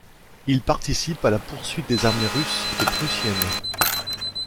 Ils participent à la poursuite des armées russes et prussiennes.